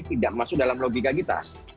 tidak masuk dalam logika kita